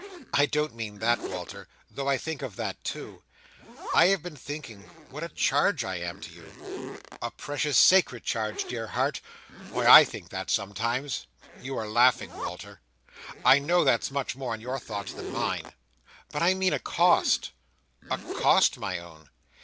"I don't mean that, Walter, though I think of that too. I have been thinking what a charge I am to you." "A precious, sacred charge, dear heart! Why, I think that sometimes." "You are laughing, Walter. I know that's much more in your thoughts than mine. But I mean a cost. "A cost, my own?"